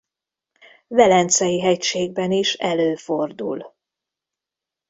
Velencei-hegységben is előfordul.